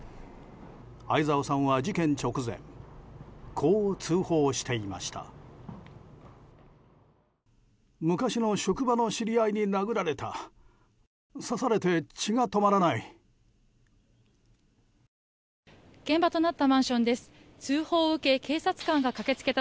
相沢さんは事件直前こう通報していました。